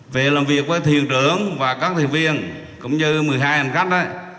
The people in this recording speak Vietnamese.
về làm việc với thuyền trưởng và các thuyền viên cũng như một mươi hai hành khách